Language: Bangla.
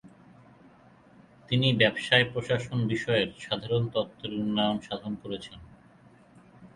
তিনি ব্যবসায় প্রশাসন বিষয়ের সাধারণ তত্ত্বের উন্নয়ন সাধন করেছেন।